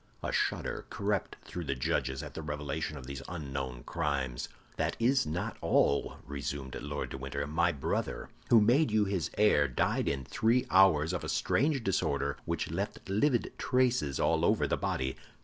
A shudder crept through the judges at the revelation of these unknown crimes. "That is not all," resumed Lord de Winter. "My brother, who made you his heir, died in three hours of a strange disorder which left livid traces all over the body.